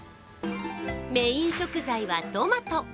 メーン食材はトマト。